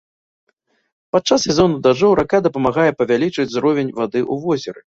Падчас сезону дажджоў рака дапамагае павялічыць узровень вады ў возеры.